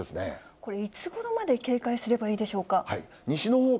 これ、いつごろまで警戒すればいいでしょうか。